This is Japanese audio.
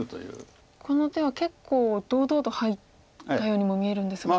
この手は結構堂々と入ったようにも見えるんですが。